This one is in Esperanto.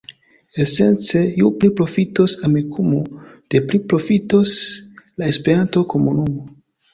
Esence, ju pli profitos Amikumu, des pli profitos la Esperanto-komunumo.